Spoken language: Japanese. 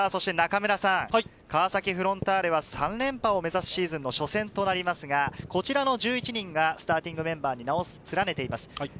川崎フロンターレは３連覇を目指すシーズンの初戦となりますが、こちらの１１人がスターティングメンバーに名を連ねています。